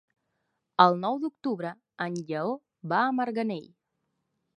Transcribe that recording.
El nou d'octubre en Lleó va a Marganell.